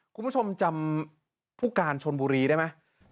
คุณผู้ชมจำผู้การชนบุรีได้ไหม